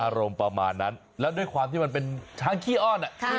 ประมาณนั้นแล้วด้วยความที่มันเป็นช้างขี้อ้อน